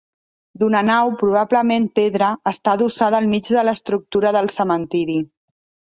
D'una nau, probablement pedra, està adossada al mig de l'estructura del cementiri.